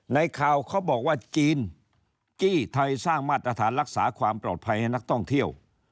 ในข่าวเขาบอกว่าจีนจี้ไทยสร้างมาตรฐานรักษาความปลอดภัยให้นักท่องเที่ยว